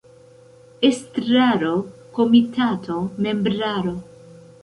Estraro – Komitato – Membraro.